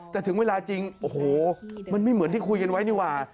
แต่ถึงเวลาจริงโอ้โหมันไม่เหมือนที่คุยกันไว้นี่ว่า